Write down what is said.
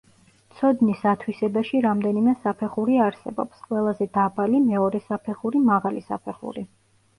ცოდნის ათვისებაში რამდენიმე საფეხური არსებობს: ყველაზე დაბალი, მეორე საფეხური, მაღალი საფეხური.